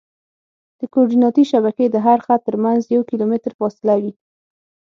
د کورډیناتي شبکې د هر خط ترمنځ یو کیلومتر فاصله وي